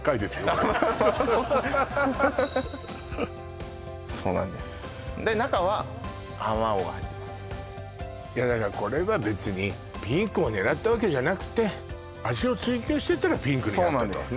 これそうなんですで中はあまおうが入っていますいやだからこれは別にピンクを狙ったわけじゃなくて味を追求してったらピンクになったとそうなんです